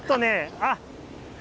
あっ。